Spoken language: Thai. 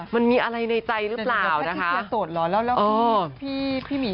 มันมีอะไรในใจหรือเปล่าแต่แพทย์ที่เซียโตดเหรอแล้วพี่หมี